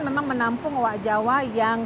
memang menampung owak jawa yang